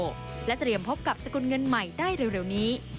จะพบกับสกุลเงินใหม่ได้เร็วนี้